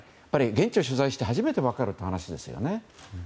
現地を取材して初めて分かる話ですね。